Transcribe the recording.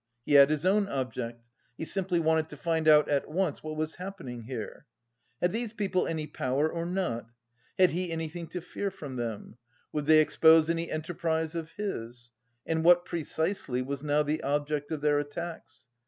He had his own object he simply wanted to find out at once what was happening here. Had these people any power or not? Had he anything to fear from them? Would they expose any enterprise of his? And what precisely was now the object of their attacks?